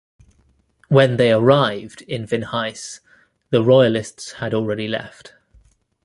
When they arrived in Vinhais the royalists had already left.